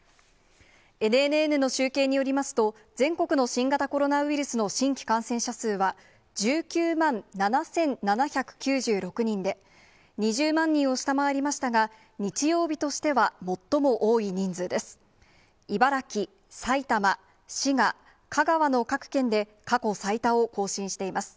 ＮＮＮの集計によりますと、全国の新型コロナウイルスの新規感染者数は１９万７７９６人で２０万人を下回りましたが、日曜日としては最も多い人数です。